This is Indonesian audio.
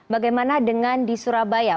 bagaimana dengan di surabaya